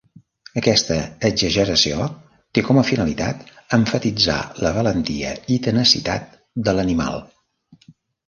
Aquesta exageració té com a finalitat emfatitzar la valentia i tenacitat de l'animal.